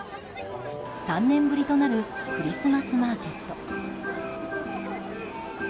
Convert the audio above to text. ３年ぶりとなるクリスマスマーケット。